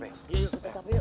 iya yuk ke tkp yuk